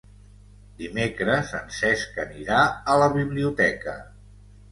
Dimecres en Cesc anirà a la biblioteca.